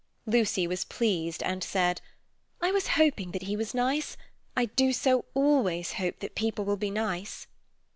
Lucy was pleased, and said: "I was hoping that he was nice; I do so always hope that people will be nice."